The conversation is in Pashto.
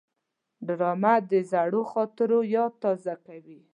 ډرامه د زړو خاطرو یاد تازه کوي